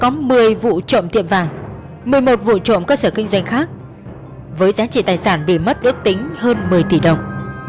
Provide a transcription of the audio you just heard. có một mươi vụ trộm tiệm vàng một mươi một vụ trộm cơ sở kinh doanh khác với giá trị tài sản bị mất ước tính hơn một mươi tỷ đồng